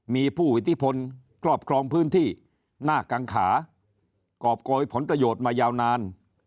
มีผู้อิทธิพลครอบครองพื้นที่หน้ากังขากรอบโกยผลประโยชน์มายาวนาน